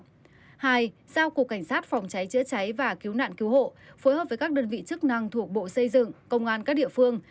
hai giao cục cảnh sát phòng cháy chữa cháy và cứu nạn cứu hộ phối hợp với các đơn vị chức năng thuộc bộ xây dựng công an các địa phương